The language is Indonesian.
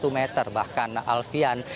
satu meter bahkan alfian